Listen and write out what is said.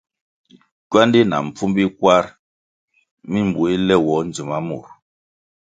Kywandi na mpfumbi kwar mi mbuéh léwoh ndzima mur.